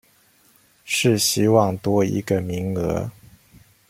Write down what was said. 是希望多一個名額